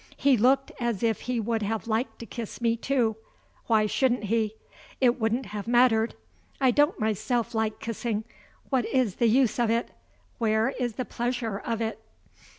He looked as if he would have liked to kiss me too. Why shouldn't he? It wouldn't have mattered. I don't myself like kissing. What is the use of it? Where is the pleasure of it?